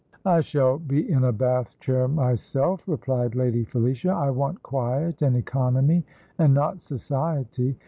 "I shall be in a Bath chair myself," replied Lady Felicia. "I want quiet and economy, and not society.